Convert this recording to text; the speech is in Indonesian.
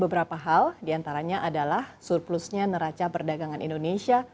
beberapa hal diantaranya adalah surplusnya neraca perdagangan indonesia